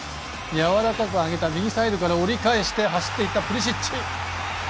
やわらかく上げた右サイドから折り返して走っていったプリシッチ。